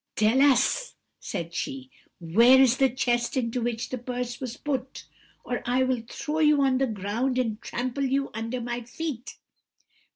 "'Tell us,' said she, 'where is the chest into which the purse was put, or I will throw you on the ground and trample you under my feet.'